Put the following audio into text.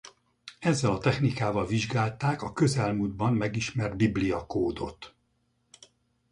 Ezzel a technikával vizsgálták a közelmúltban megismert Biblia-kódot.